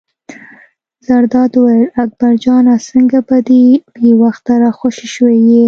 زرداد وویل: اکبر جانه څنګه په دې بې وخته را خوشې شوی یې.